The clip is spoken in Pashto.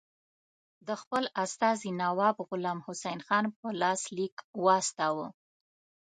د خپل استازي نواب غلام حسین خان په لاس لیک واستاوه.